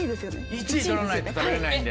１位取らないと食べれないんで。